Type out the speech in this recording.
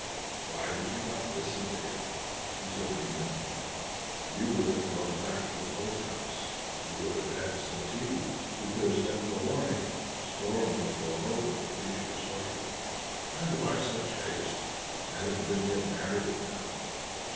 "Why did you not listen to him?" he said to me, angrily. "You would have gone back to the post house; you would have had some tea; you could have slept till morning; the storm would have blown over, and we should have started. And why such haste? Had it been to get married, now!"